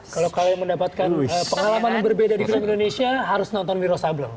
kalau kalian mendapatkan pengalaman berbeda di film indonesia harus nonton wiro sable